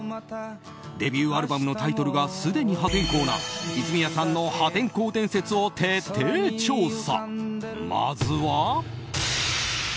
デビューアルバムのタイトルがすでに破天荒な泉谷さんの破天荒伝説を徹底調査！